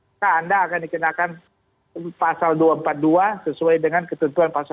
maka anda akan dikenakan pasal dua ratus empat puluh dua sesuai dengan ketentuan pasal satu ratus tujuh puluh empat